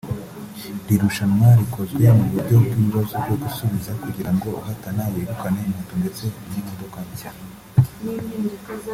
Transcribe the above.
Iri rushanwa rikozwe mu buryo bw’ibibazo byo gusubiza kugira ngo uhatana yegukane moto ndetse n’imodoka nshya